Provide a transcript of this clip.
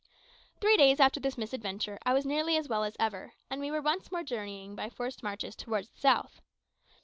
Three days after this misadventure I was nearly as well as ever, and we were once more journeying by forced marches towards the south.